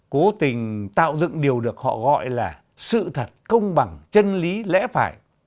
cố tình tạo dựng điều được họ gọi là sự thật công bằng chân lý lẽ phải